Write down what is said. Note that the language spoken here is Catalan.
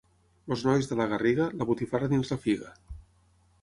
Els nois de la Garriga, la botifarra dins la figa.